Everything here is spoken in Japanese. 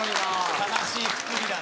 悲しいくくりだな。